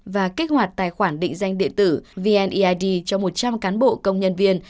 và kích hoạt tài khoản định danh điện tử vneid cho một trăm linh cán bộ công nhân viên